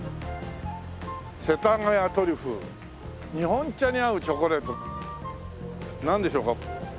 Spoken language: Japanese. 「世田谷トリュフ日本茶にあうチョコレート」なんでしょうか？